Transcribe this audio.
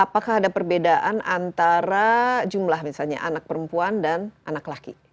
apakah ada perbedaan antara jumlah misalnya anak perempuan dan anak laki